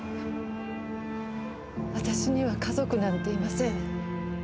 私には家族なんていません。